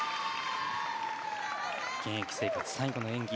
現役生活最後の演技。